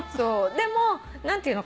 でも何ていうのかな？